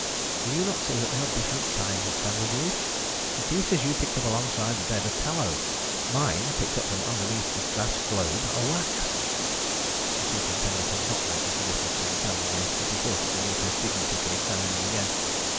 "Do you not see that they are different kinds of candle grease? The pieces you picked up alongside the bed are tallow; mine, picked up from underneath the gas globe, are wax." The Superintendent had not noticed the difference in the candle grease, but he thought it beneath his dignity to examine them again.